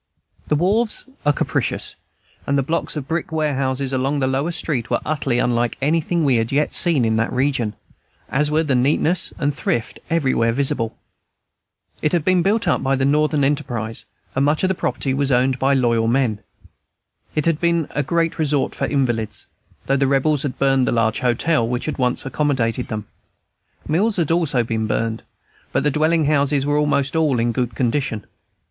The wharves were capacious, and the blocks of brick warehouses along the lower street were utterly unlike anything we had yet seen in that region, as were the neatness and thrift everywhere visible. It had been built up by Northern enterprise, and much of the property was owned by loyal men. It had been a great resort for invalids, though the Rebels had burned the large hotel which once accommodated them. Mills had also been burned; but the dwelling houses were almost all in good condition.